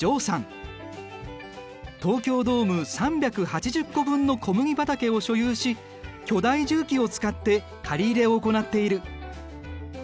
東京ドーム３８０個分の小麦畑を所有し巨大重機を使って刈り入れを行っている。